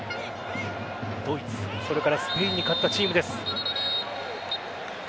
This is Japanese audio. ドイツそれからスペインに勝ったチームです。